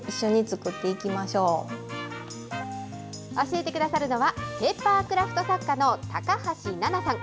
教えてくださるのはペーパークラフト作家のたかはしななさん。